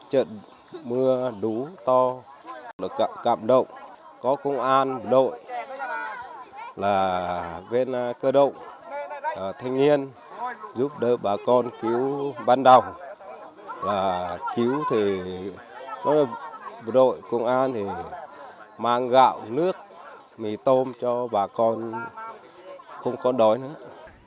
hội công an thì mang gạo nước mì tôm cho bà con không có đói nữa